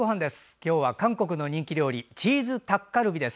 今日は韓国の人気料理チーズタッカルビです。